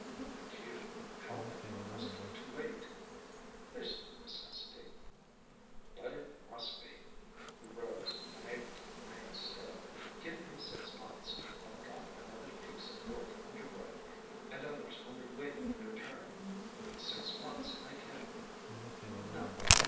"But you how can I ask you to wait?" "There's no necessity " "But it must be." He rose, unable to remain still. "Give me six months: I've got another piece of work under way and others only waiting their turn. In six months I can " "No!"